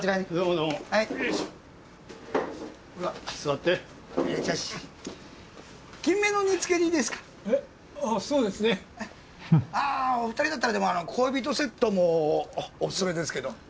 フッあお二人だったらでもあの恋人セットもオススメですけど。